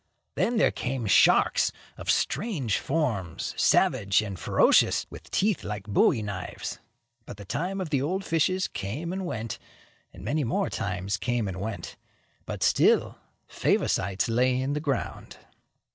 Then there came sharks, of strange forms, savage and ferocious, with teeth like bowie knives. But the time of the old fishes came and went, and many more times came and went, but still Favosites lay in the ground.